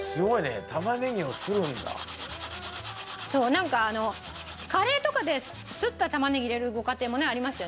なんかあのカレーとかですった玉ねぎ入れるご家庭もねありますよね。